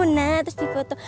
nah terus dipoto